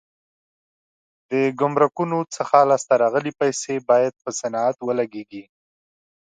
د ګمرکونو څخه لاس ته راغلي پیسې باید پر صنعت ولګېږي.